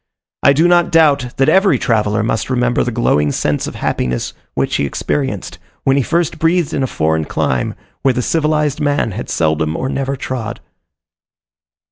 I do not doubt that every traveller must remember the glowing sense of happiness which he experienced, when he first breathed in a foreign clime, where the civilized man had seldom or never trod.